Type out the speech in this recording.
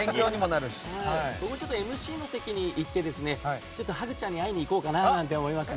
ちょっと、ＭＣの席に行ってハグちゃんに会いに行こうかななんて思いました。